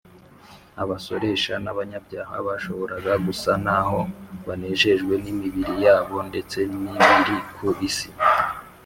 abasoresha n’abanyabyaha bashoboraga gusa n’aho banejejwe n’imibiri yabo ndetse n’ibiri ku isi